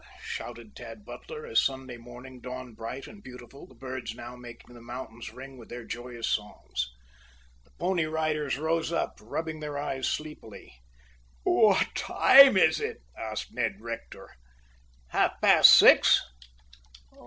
shouted Tad Butler, as Sunday morning dawned bright and beautiful, the birds now making the mountains ring with their joyous songs. The Pony Riders rose up, rubbing their eyes sleepily. "What time is it?" asked Ned Rector. "Half past six."